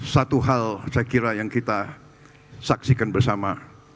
satu hal saya kira yang kita saksikan bersama